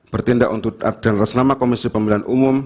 bertindak untuk dan reslama komisi pemilihan umum